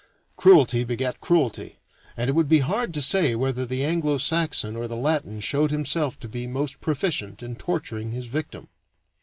Cruelty begat cruelty, and it would be hard to say whether the Anglo Saxon or the Latin showed himself to be most proficient in torturing his victim.